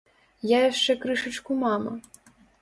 Я яшчэ крышачку мама.